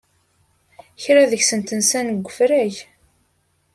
Kra deg-sent nsan deg ufrag.